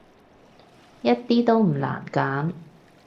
一啲都唔難揀